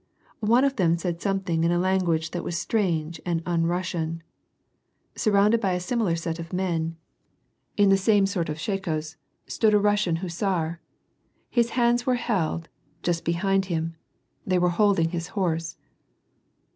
One of them said something in a language that was strange and un Russian. Surrounded by a similar set of men, in the WAH AND PEACE. 225 same sort of shakos, stood a Russian hussar. His hands were held ; just behind him, they were holding his horse.